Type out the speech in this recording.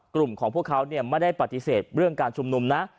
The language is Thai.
กลุ่มของพวกเขาไม่ได้ปฏิเสธเรื่องการชุมนุมนะ